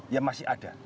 yang masih ada